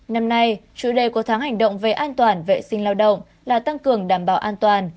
năm nay chủ đề của tháng hành động về an toàn vệ sinh lao động là tăng cường đảm bảo an toàn